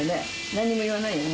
なんにも言わないよね。